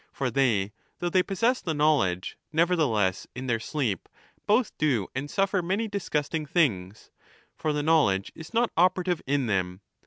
For they, though they possess the knowledge, nevertheless in their sleep both do and suffer many disgusting things. For the knowledge is 30 not operative in them.